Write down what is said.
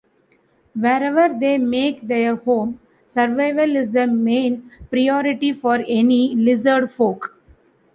Wherever they make their home, survival is the main priority for any lizardfolk.